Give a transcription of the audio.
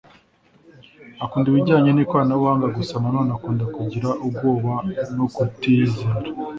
akunda ibijyanye n’ikoranabuhanga gusa nanone akunda kugira ubwoba no kutiyizera